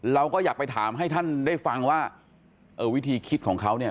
เราก็อยากไปถามให้ท่านได้ฟังว่าเออวิธีคิดของเขาเนี่ย